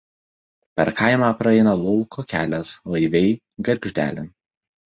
Per kaimą praeina lauko kelias Laiviai–Gargždelė.